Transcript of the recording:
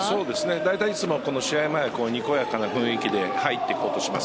大体いつも試合前はにこやかな雰囲気で入っていこうとします。